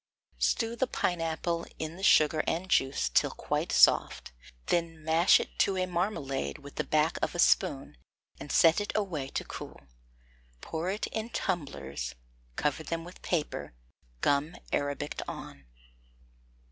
Stew the pineapple in the sugar and juice till quite soft, then mash it to a marmalade with the back of a spoon, and set it away to cool; pour it in tumblers, cover them with paper, gum arabicked on.